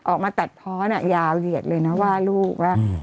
ออกมาตัดพ้อน่ะยาวเหยียดเลยนะว่าลูก